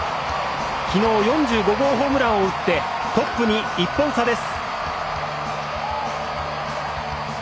昨日、４５号ホームランを打ってトップに１本差です。